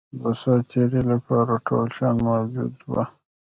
د سات تېري لپاره ټول شیان موجود وه.